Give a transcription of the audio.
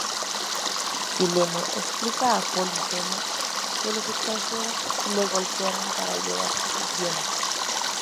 Sileno explica a Polifemo que los extranjeros le golpearon para llevarse sus bienes.